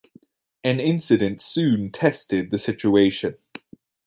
An incident soon tested the situation.